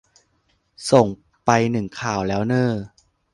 ส่งไปหนึ่งข่าวแล้วเน้อ